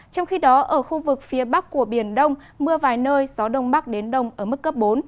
trong khi đó ở khu vực phía bắc của biển đông mưa vài nơi gió đông bắc đến đông ở mức cấp bốn